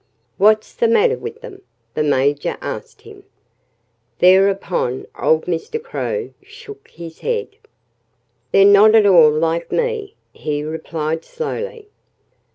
"What's the matter with them?" the Major asked him. Thereupon old Mr. Crow shook his head. "They're not at all like me," he replied slowly.